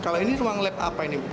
kalau ini ruang lab apa ini bu